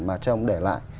mà cho ông để lại